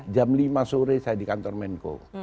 jam lima sore saya di kantor menko